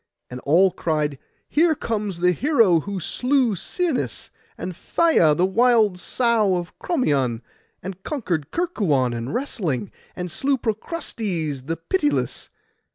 And all cried, 'Here comes the hero who slew Sinis, and Phaia the wild sow of Crommyon, and conquered Kerkuon in wrestling, and slew Procrustes the pitiless.